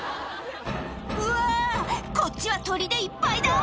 うわこっちは鳥でいっぱいだ！